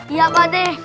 iya pak deh